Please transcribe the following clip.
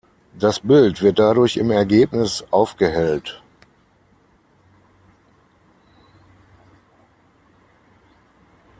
Das Bild wird dadurch im Ergebnis aufgehellt.